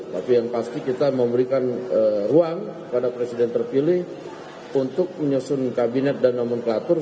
tapi yang pasti kita memberikan ruang kepada presiden terpilih untuk menyusun kabinet dan nomenklatur